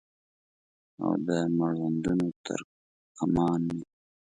او د مړوندونو تر کمان مې